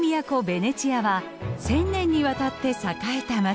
ベネチアは１，０００年にわたって栄えた街。